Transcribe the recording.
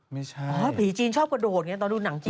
ไม่ใช่พี่จีนชอบกระโดดอย่างนี้ตอนดูหนังจีน